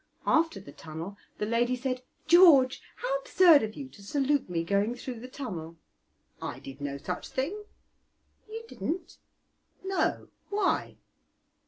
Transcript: After the tunnel the lady said, 'George, how absurd of you to salute me going through the tunnel!' 'I did no such thing.' 'You didn't?' 'No; why?'